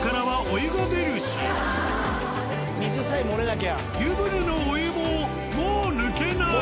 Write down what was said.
湯船のお湯ももう抜けない。